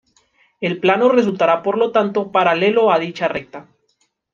El plano resultará por lo tanto paralelo a dicha recta.